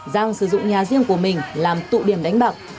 giang sử dụng nhà riêng của mình làm tụ điểm đánh bạc